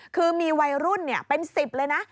คือมีวัยรุ่นเป็น๑๐เลยนะ